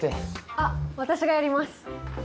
あっ私がやります。